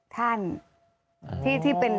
ท่านที่เป็น